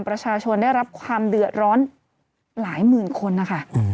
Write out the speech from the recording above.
ประชาชนได้รับความเดือดร้อนหลายหมื่นคนนะคะ